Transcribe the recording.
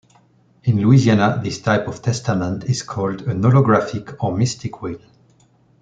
In Louisiana this type of testament is called an Olographic or Mystic will.